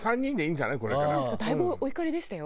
だいぶお怒りでしたよ？